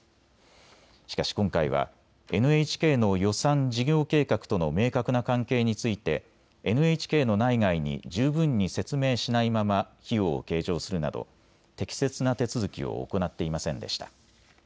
しかし今回はＮＨＫの予算・事業計画との明確な関係についてＮＨＫの内外に十分に説明しないまま費用を計上するなど適切な手続きを行っていませんでした。